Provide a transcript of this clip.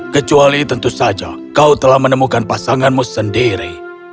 kecuali tentu saja kau telah menemukan pasanganmu sendiri